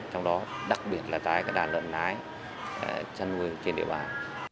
trong đó đặc biệt là tái đàn lợn nái chăn nuôi trên địa bàn